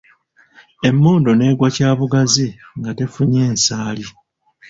Emmondo n'egwa kyabugazi nga tefunye nsaali.